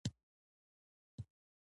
نري بریتونه او ګڼه نه ږیره یې وه.